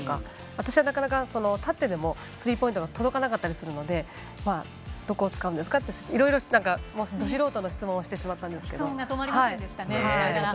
私は立ってでもスリーポイントが届かなかったりするのでどこを使うんですかっていろいろと、ど素人の質問をしてしまったんですけど。